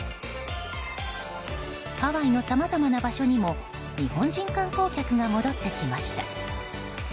ハワイのさまざまな場所にも日本人観光客が戻ってきました。